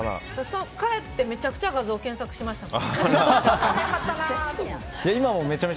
帰ってめちゃくちゃ画像検索しましたもん。